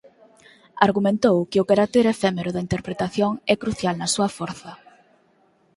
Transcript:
Argumentou que o carácter efémero da interpretación é crucial na súa forza.